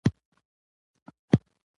خدمت د ټولنې د همغږۍ وسیله ګرځي.